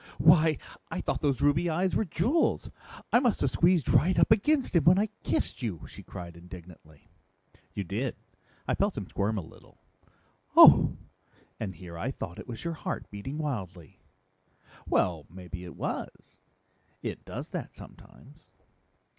"Why, I thought those ruby eyes were jewels! I must have squeezed right up against him when I kissed you," she cried indignantly. "You did. I felt him squirm a little." "Oh! And here I thought it was your heart beating wildly." "Well, maybe it was. It does that sometimes."